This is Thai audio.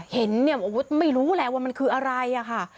เห็นเนี่ยไม่รู้แหละว่ามันคืออะไรอะค่ะ